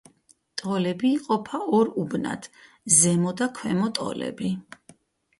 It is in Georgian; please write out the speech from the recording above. ტოლები იყოფა ორ უბნად: ზემო და ქვემო ტოლები.